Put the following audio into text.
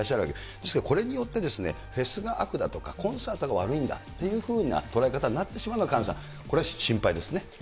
ですから、これによって、フェスが悪だとか、コンサートが悪いんだと捉え方になってしまうのは、萱野さん、これは心配ですね。